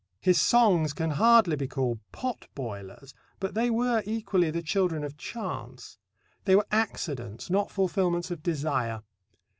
His songs can hardly be called "pot boilers," but they were equally the children of chance. They were accidents, not fulfilments of desire.